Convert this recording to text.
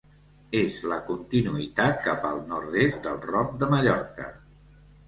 És la continuïtat cap al nord-est del Roc de Mallorca.